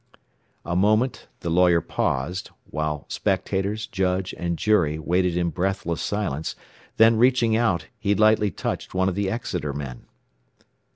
'" A moment the lawyer paused, while spectators, judge and jury waited in breathless silence, then reaching out, he lightly touched one of the Exeter men.